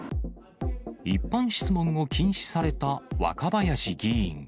一般質問を禁止された若林議員。